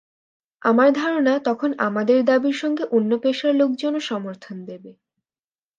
আমার ধারণা তখন আমাদের দাবির সঙ্গে অন্য পেশার লোকজনও সমর্থন দেবে।